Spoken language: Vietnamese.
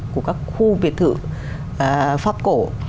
của các khu biệt thự pháp cổ